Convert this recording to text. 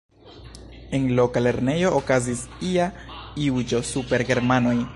En loka lernejo okazis ia juĝo super germanoj.